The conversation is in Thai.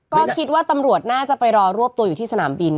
ก็คิดว่าตำรวจน่าจะไปรอรวบตัวอยู่ที่สนามบิน